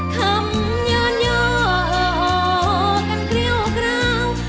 ขำเยอะเยาเออเอ่ออวกันกริ้วกราว